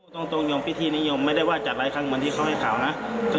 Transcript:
ตรงยมพิธีนิยมไม่ได้ว่าจัดหลายครั้งเหมือนที่เขาให้ข่าวนะ